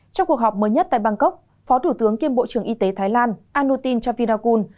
trong cuộc họp mới nhất tại bangkok phó thủ tướng kiêm bộ trưởng y tế thái lan anutin javirakun